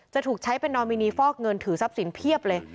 จะถูกใช้เป็นนอมินีฟอกเงินถือทรัพย์สินเพียบเลย